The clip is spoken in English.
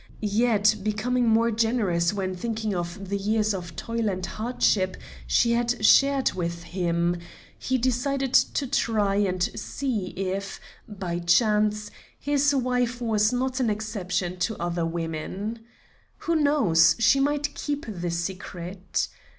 Yet, becoming more generous when thinking of the years of toil and hardship she had shared with him, he decided to try and see if, by chance, his wife was not an exception to other women. Who knows, she might keep the secret.